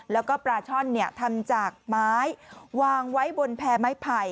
แล้วก็ปลาช่อนทำจากไม้วางไว้บนแพ้ไม้ไผ่